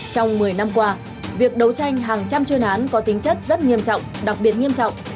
trong một mươi năm qua việc đấu tranh hàng trăm chuyên án có tính chất rất nghiêm trọng đặc biệt nghiêm trọng